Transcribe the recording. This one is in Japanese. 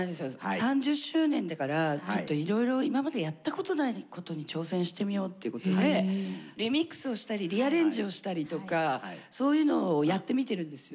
３０周年だからちょっといろいろ今までやったことないことに挑戦してみようっていうことでリミックスをしたりリアレンジをしたりとかそういうのをやってみてるんですよ。